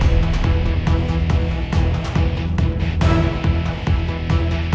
allah allah allah